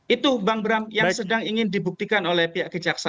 itu bang bram yang sedang ingin dibuktikan oleh pihak kejaksaan